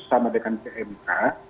sama dengan pmk